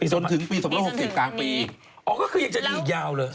จนถึงปี๒๖๐กลางปีอ๋อก็คือยังจะดีอีกยาวเลย